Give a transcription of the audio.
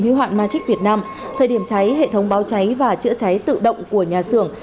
hưu hoạn magic việt nam thời điểm cháy hệ thống báo cháy và chữa cháy tự động của nhà sưởng